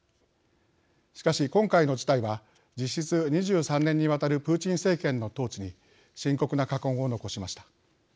しかし今回の事態は実質２３年にわたるプーチン政権の統治に深刻な禍根を残しました。